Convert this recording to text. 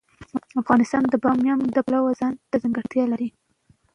افغانستان د بامیان د پلوه ځانته ځانګړتیا لري.